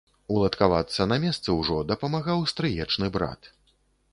Уладкавацца на месцы ўжо дапамагаў стрыечны брат.